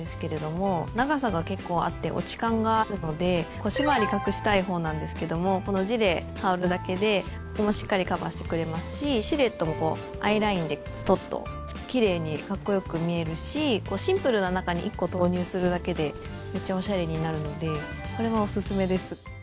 腰回り隠したいほうなんですけどもこのジレを羽織るだけでしっかりカバーしてくれますしシルエットもＩラインでストンと奇麗にかっこよく見えるしシンプルな中に１個投入するだけでめっちゃおしゃれになるのでこれはおすすめです。